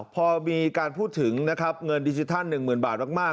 พอมีการพูดถึงนะครับเงินดิจิทัล๑๐๐๐บาทมาก